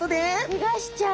けがしちゃう。